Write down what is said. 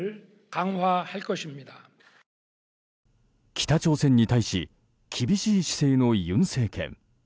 北朝鮮に対し厳しい姿勢の尹政権。